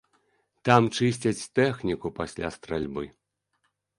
Там чысцяць тэхніку пасля стральбы.